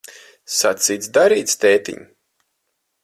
Sacīts, darīts, tētiņ.